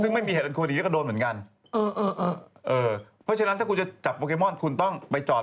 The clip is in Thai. ซึ่งไม่มีเหตุอันความอันความอุตยาย